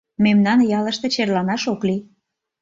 Мемнан ялыште черланаш ок лий.